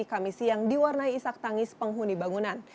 kamisi yang diwarnai isak tangis penghuni bangunan